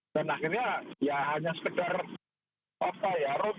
dan akhirnya ya hanya sekedar rutinitas penegakan hukum